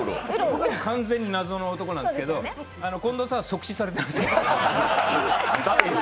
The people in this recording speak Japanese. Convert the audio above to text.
完全に謎の男なんですけど、近藤さんは即死されてますから。